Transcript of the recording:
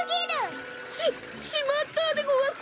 しっしまったでごわす！